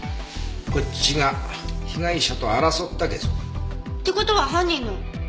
こっちが被害者と争ったゲソ痕。って事は犯人の。